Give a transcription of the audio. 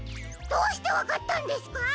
どうしてわかったんですか！？